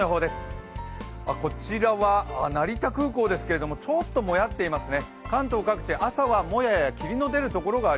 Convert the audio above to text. こちらは成田空港ですけれどもちょっともやってますね。